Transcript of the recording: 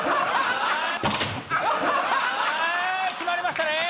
あ決まりましたね！